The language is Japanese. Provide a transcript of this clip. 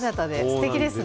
すてきですね。